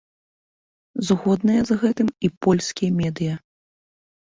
Згодныя з гэтым і польскія медыя.